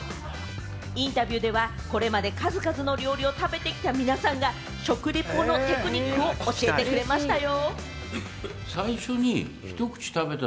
インタビューでは、これまで数々の料理を食べてきた皆さんが食リポのテクニックを教えてくれましたよ。